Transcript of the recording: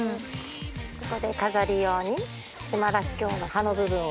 ここで飾り用に島らっきょうの葉の部分を。